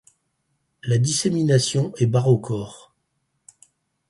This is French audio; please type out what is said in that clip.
La dissémination est barochore.